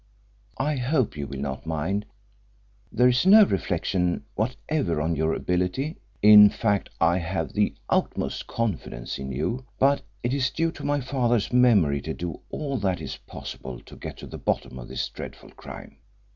I hope you will not mind there is no reflection whatever on your ability. In fact, I have the utmost confidence in you. But it is due to my father's memory to do all that is possible to get to the bottom of this dreadful crime.